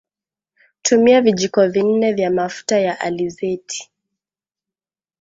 Tumia vijiko vi nne vya mafuta ya alizeti